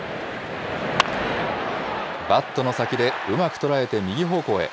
バットの先でうまく捉えて右方向へ。